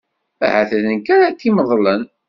Ahat d nekk ara k-imeḍlen.